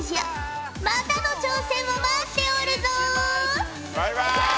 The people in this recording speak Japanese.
またの挑戦を待っておるぞ！